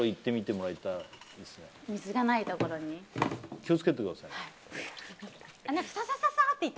気を付けてください。